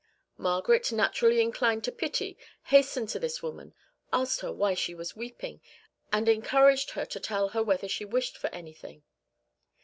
Margaret, naturally inclined to pity, hastened to this woman, asked her why she was weeping, and encouraged her to tell her whether she wished for anything.